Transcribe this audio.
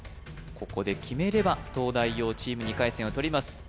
ここで決めれば東大王チーム２回戦はとります